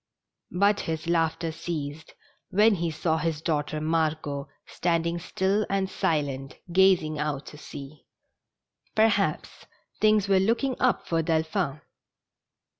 But his laughter ceased when he saw his daughter Margot stand ing still and silent, gazing out to sea. Perhaps things were looking up for Delphi n.